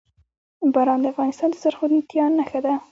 باران د افغانستان د زرغونتیا نښه ده.